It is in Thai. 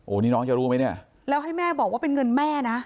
นี่น้องจะรู้ไหมเนี่ยแล้วให้แม่บอกว่าเป็นเงินแม่นะ